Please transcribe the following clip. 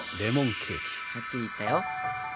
はっきり言ったよ！